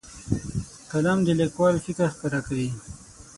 قلم د لیکوال فکر ښکاره کوي.